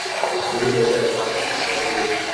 Bugun yashar nafaqasin yeb.